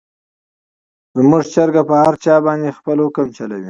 زموږ چرګه په هر چا باندې خپل حکم چلوي.